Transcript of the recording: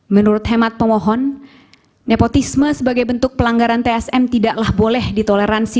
menurut hemat pemohon nepotisme sebagai bentuk pelanggaran tsm tidaklah boleh ditoleransi